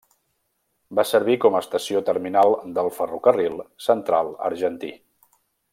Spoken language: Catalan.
Va servir com estació terminal del Ferrocarril Central Argentí.